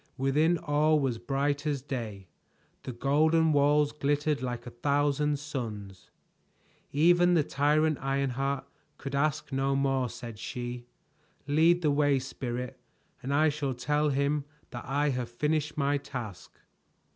Within all was bright as day; the golden walls glittered like a thousand suns. "Even the tyrant Ironheart could ask no more," said she. "Lead the way, Spirit, and I shall tell him that I have finished my task."